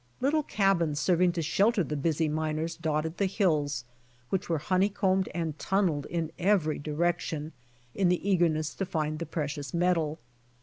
Little cabins serving to shelter the busy miners dotted the hills which were honeycombed and tun neled in every direction, in the eagerness to find the precious metal.